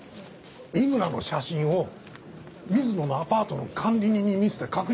井村の写真を水野のアパートの管理人に見せて確認取ったんですよ。